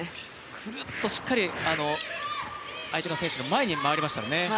くるっと、しっかり相手の選手の前に回りましたね。